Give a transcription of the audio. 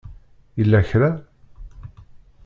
Yella kra?